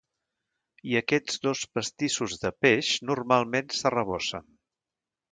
I aquests dos pastissos de peix normalment s'arrebossen.